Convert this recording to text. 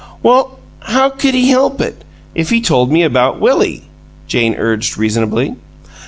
"Well, how could he help it, if he told me about Willie?" Jane urged, reasonably.